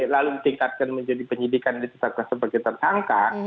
lalu ditingkatkan menjadi penyidikan ditetapkan sebagai tersangka